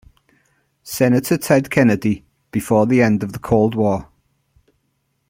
Senator Ted Kennedy, before the end of the cold war.